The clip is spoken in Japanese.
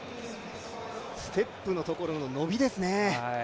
ステップのところの伸びですね。